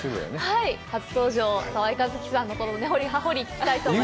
はい、初登場、澤井一希さんのことを根掘り葉掘り聞きまくりたいと思います。